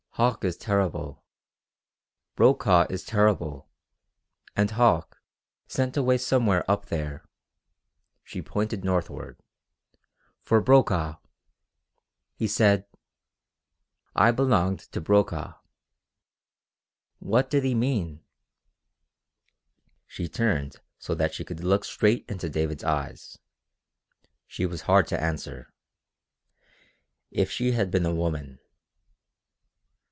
Hauck is terrible. Brokaw is terrible. And Hauck sent away somewhere up there" she pointed northward "for Brokaw. He said I belonged to Brokaw. What did he mean?" She turned so that she could look straight into David's eyes. She was hard to answer. If she had been a woman....